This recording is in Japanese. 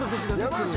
山内